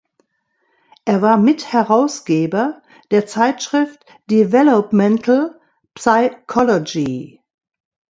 Er war Mitherausgeber der Zeitschrift "Developmental Psychology".